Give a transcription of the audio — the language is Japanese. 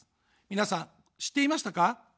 皆さん、知っていましたか。